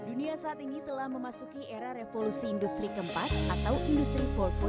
dunia saat ini telah memasuki era revolusi industri keempat atau industri empat